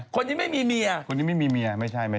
คนนี้ไม่มีเมียคนนี้ไม่มีเมียไม่ใช่ไหม